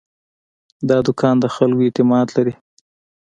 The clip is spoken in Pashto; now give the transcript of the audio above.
دا دوکاندار د خلکو اعتماد لري.